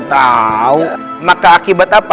tau maka akibat apa